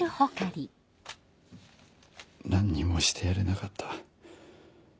何にもしてやれなかった。